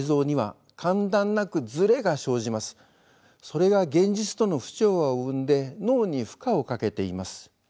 それが現実との不調和を生んで脳に負荷をかけています。